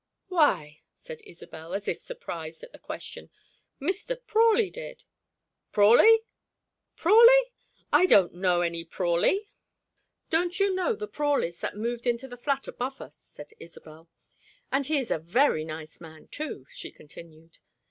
"Why," said Isobel, as if surprised at the question, "Mr. Prawley did." "Prawley? Prawley? I don't know any Prawley!" "Don't you know the Prawleys that moved into the flat above us?" said Isobel. "And he is a very nice man, too," she continued.